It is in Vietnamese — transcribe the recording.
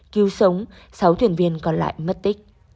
cứu sống sáu thuyền viên còn lại mất tích